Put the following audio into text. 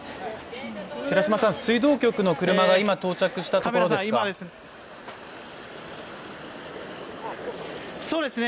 水道局の車が到着したところですか？